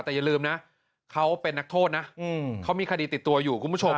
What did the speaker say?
แต่อย่าลืมนะเขาเป็นนักโทษนะเขามีคดีติดตัวอยู่คุณผู้ชม